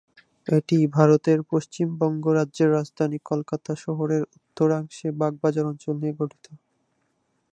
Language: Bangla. এটি ভারতের পশ্চিমবঙ্গ রাজ্যের রাজধানী কলকাতা শহরের উত্তরাংশে বাগবাজার অঞ্চল নিয়ে গঠিত।